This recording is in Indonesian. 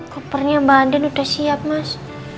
kopernya mbak anden udah siap mas